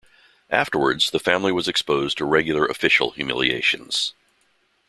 Afterwards, the family was exposed to regular official humiliations.